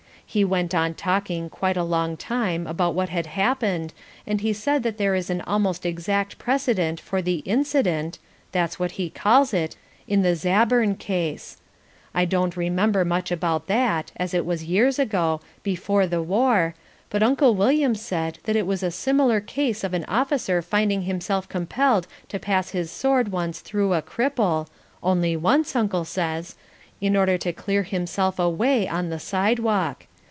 He went on talking quite a long time about what had happened and he said that there is an almost exact precedent for the "incident" (that's what he calls it) in the Zabern Case. I don't remember much about that, as it was years ago, before the war, but Uncle William said that it was a similar case of an officer finding himself compelled to pass his sword once through a cripple (only once, Uncle says) in order to clear himself a way on the sidewalk.